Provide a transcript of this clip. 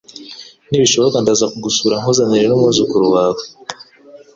Nibishoboka ndaza kugusura nkuzanire n'umwuzukuru wawe.